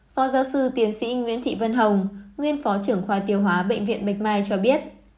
phó giáo sư tiến sĩ nguyễn thị vân hồng nguyên phó trưởng khoa tiêu hóa bệnh viện bạch mai cho biết